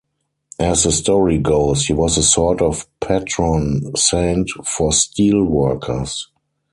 As the story goes, he was a sort of patron saint for steel workers.